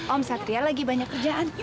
om satria lagi banyak kerjaan